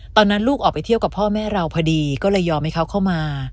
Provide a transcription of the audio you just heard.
ตอนนั้นลูกออกไปเที่ยวกับพ่อแม่เราพอดีก็เลยยอมให้เขาเข้ามา